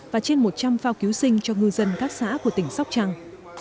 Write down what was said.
và trên một trăm linh phao cứu sinh cho ngư dân các xã của tỉnh sóc trăng